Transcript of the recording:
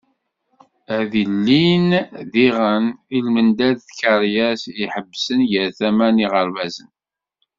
Ad ilin diɣen i lmendad n tkeryas i iḥebbsen ɣer tama n yiɣerbazen.